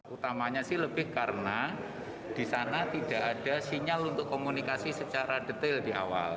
utamanya sih lebih karena di sana tidak ada sinyal untuk komunikasi secara detail di awal